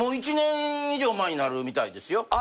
１年以上前になるみたいですよ。